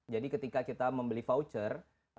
ketika kita membeli voucher